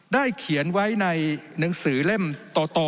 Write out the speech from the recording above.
ได้เขียนไว้ในหนังสือเล่มโต